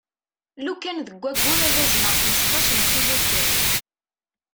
Lukan deg ayyur ad azneɣ xmesṭac n kilu kan.